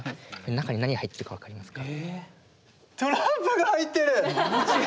中に何が入ってるか分かりますか？